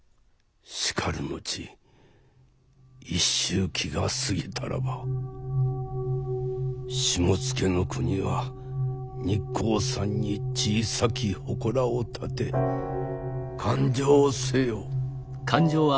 しかるのち一周忌が過ぎたらば下野国は日光山に小さき祠を建て勧請せよ。